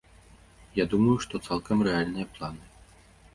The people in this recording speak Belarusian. Я думаю, што цалкам рэальныя планы.